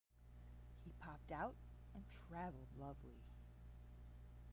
He popped out and travelled lovely.